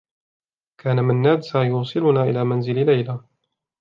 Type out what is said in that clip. كان منّاد سيوصلنا إلى منزل ليلى.